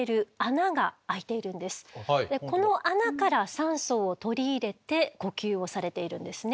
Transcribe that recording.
この穴から酸素を取り入れて呼吸をされているんですね。